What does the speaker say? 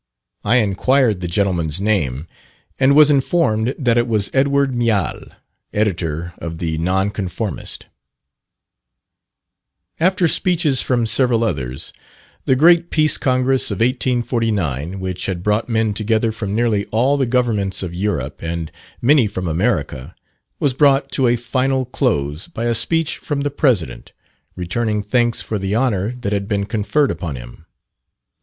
I inquired the gentleman's name, and was informed that it was Edward Miall, editor of the Nonconformist. After speeches from several others, the great Peace Congress of 1849, which had brought men together from nearly all the governments of Europe, and many from America, was brought to a final close by a speech from the President, returning thanks for the honour that had been conferred upon him.